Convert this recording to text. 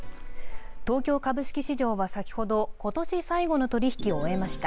東京株式市場は先ほど今年最後の取引を終えました。